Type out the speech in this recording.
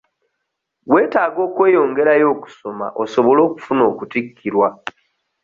Weetaaga okweyongerayo okusoma osobole okufuna okutikkirwa.